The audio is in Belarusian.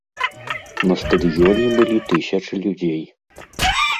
На стадыёне былі тысячы людзей.